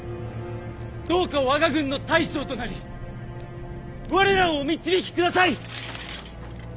どうか我が軍の大将となり我らをお導きください。